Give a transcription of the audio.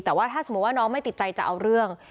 แต่ว่าถ้าสมมุติว่าน้องไม่ติดใจจะเอาเรื่อง